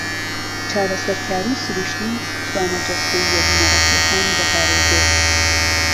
چارهسهرکاری سرووشتی توانا جهستهییه بنهڕهتییهکانی دهپارێزێت.